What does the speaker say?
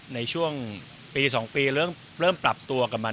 ในช่วงปี๒ปีเริ่มปรับตัวกับมัน